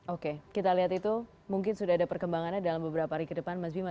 oke kita lihat itu mungkin sudah ada perkembangannya dalam beberapa hari ke depan mas bima